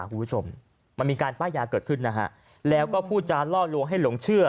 คุณผู้ชมมันมีการป้ายยาเกิดขึ้นนะฮะแล้วก็พูดจานล่อลวงให้หลงเชื่อ